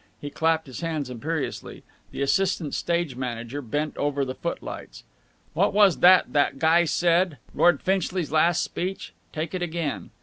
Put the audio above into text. He clapped his hands imperiously. The assistant stage manager bent over the footlights. "What was that that guy said? Lord Finchley's last speech. Take it again."